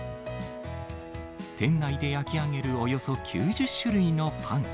店内で焼き上げるおよそ９０種類のパン。